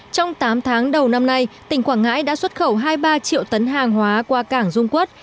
trong tám tháng đầu năm nay tỉnh quảng ngãi đã xuất khẩu hai mươi ba triệu tấn hàng hóa qua cảng dung quốc